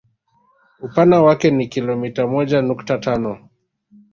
Upana wake ni kilomita moja nukta tano